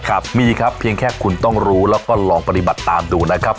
ครับมีครับเพียงแค่คุณต้องรู้แล้วก็ลองปฏิบัติตามดูนะครับ